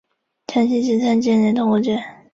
详情请参见连通空间。